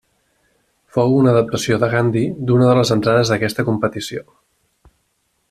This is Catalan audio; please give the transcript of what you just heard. Fou una adaptació de Gandhi d'una de les entrades d'aquesta competició.